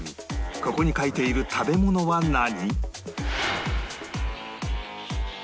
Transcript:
ここに描いている食べ物は何？